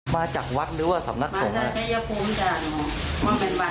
มาจากวัดหรือว่าสำนักของอะไร